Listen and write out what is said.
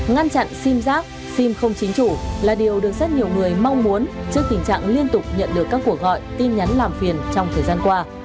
ngăn chặn sim giác sim không chính chủ là điều được rất nhiều người mong muốn trước tình trạng liên tục nhận được các cuộc gọi tin nhắn làm phiền trong thời gian qua